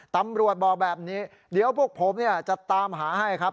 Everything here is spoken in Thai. ตำรวจบอกแบบนี้เดี๋ยวพวกผมจะตามหาให้ครับ